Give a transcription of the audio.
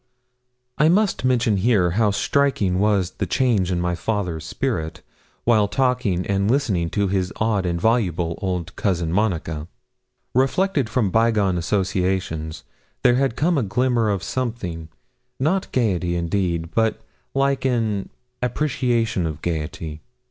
I must mention here how striking was the change in my father's spirit while talking and listening to his odd and voluble old Cousin Monica. Reflected from bygone associations, there had come a glimmer of something, not gaiety, indeed, but like an appreciation of gaiety.